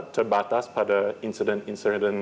terbatas pada insiden insiden